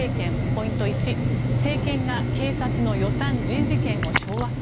ポイント１、政権が警察の予算・人事権を掌握？